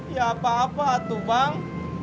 ya apa apa tuh bang